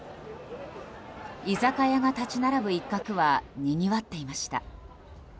居酒屋が立ち並ぶ一角はにぎわっていました。